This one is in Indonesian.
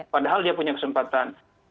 padahal dia punya kesempatan